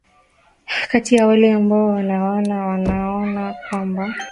kati ya wale ambao wana wana wanaona kwamba